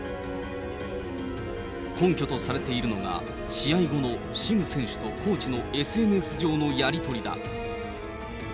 根拠とされているのが、試合後のシム選手とコーチのＳＮＳ上のやり取りだ。